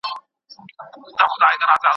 ځکه نو خپل لاسونه په رنګونو ولړي